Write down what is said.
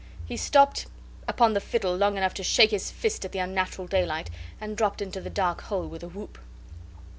He stopped upon the fiddle long enough to shake his fist at the unnatural daylight, and dropped into the dark hole with a whoop.